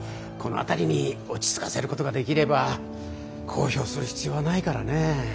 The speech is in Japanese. この辺りに落ち着かせることができれば公表する必要はないからね。